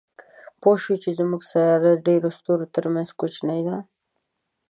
پوه شو چې زموږ سیاره د ډېرو ستورو تر منځ کوچنۍ ده.